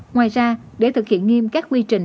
ngoài ra để thực hiện nghiêm các quy trình